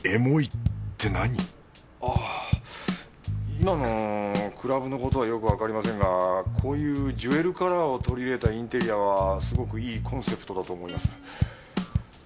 今のクラブのことはよくわかりませんがこういうジュエルカラーを取り入れたインテリアはすごくいいコンセプトだと思います。